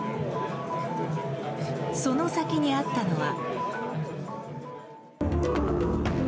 その先にあったのは。